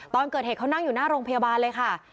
ตอนเกิดเหตุเขานั่งอยู่หน้าโรงพยาบาลเลยค่ะ